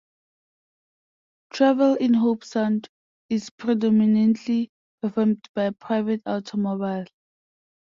Travel in Hobe Sound is predominantly performed by private automobile.